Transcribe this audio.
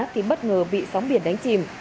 thì bất ngờ bị sóng biển đánh chìm